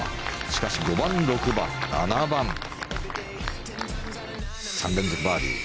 しかし、５番、６番、７番３連続バーディー。